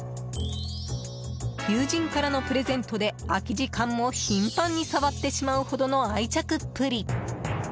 友人からのプレゼントで空き時間も頻繁に触ってしまうほどの愛着っぷり。